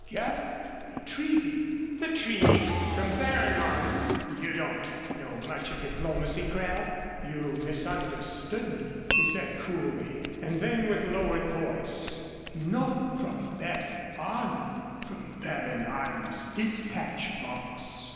"Get it. The treaty." "The treaty! From Baron Arnim! You don't know much of diplomacy, Crabb." "You misunderstood me," he said, coolly; and then, with lowered voice: "Not from Baron Arnim from Baron Arnim's dispatch box."